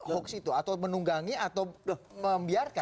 hoax itu atau menunggangi atau membiarkan